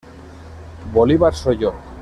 Bolívar soy yo!